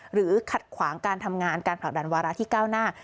ขัดขวางการทำงานการผลักดันวาระที่ก้าวหน้า